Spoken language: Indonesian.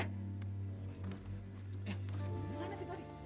eh dimana sih tadi